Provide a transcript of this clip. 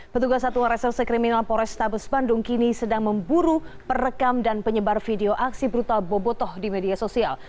petugas satuan reserse kriminal porestabes bandung kini sedang memburu perekam dan penyebar video aksi brutal bobotoh di media sosial